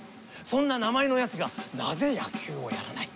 そんな名前のやつがなぜ野球をやらない？